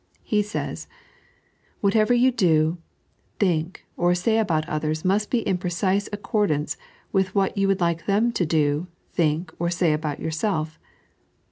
He says: " Whatever you do, think, or say about others must be in precise accordance with what you would like them to do, think, or say about yourself.